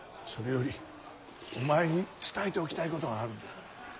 それよりお前に伝えておきたいことがあるんだ。